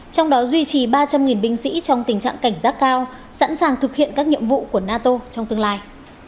trong đó duy trì ba trăm linh binh sĩ trong tình trạng cảnh giác cao sẵn sàng thực hiện các nhiệm vụ của nato trong tương lai